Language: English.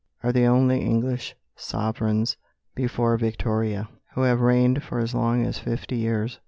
are the only English sovereigns, before Victoria, who have reigned for as long as fifty years.